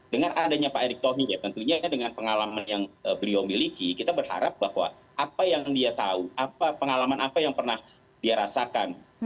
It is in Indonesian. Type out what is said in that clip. dengan adanya pak erick thohir ya tentunya dengan pengalaman yang beliau miliki kita berharap bahwa apa yang dia tahu apa pengalaman apa yang pernah dia rasakan